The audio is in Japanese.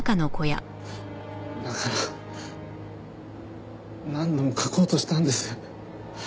だから何度も書こうとしたんです。